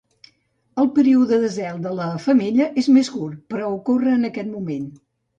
El període de zel de la femella és més curt, però ocorre en aquest moment.